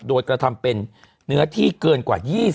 โดยกระทำเป็นเนื้อที่เกินกว่า๒๐